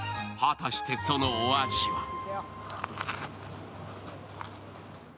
果たして、そのお味は？